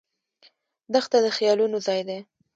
دښته د خیالونو ځای دی.